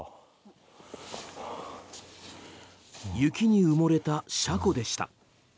雪に埋もれた車庫でした。